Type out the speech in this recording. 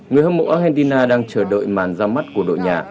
người hâm mộ argentina đang chờ đợi màn ra mắt của đội nhà